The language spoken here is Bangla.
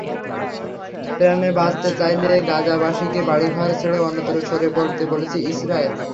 প্রাণে বাঁচতে চাইলে গাজাবাসীকে বাড়িঘর ছেড়ে অন্যত্র সরে পড়তে বলেছে ইসরায়েল।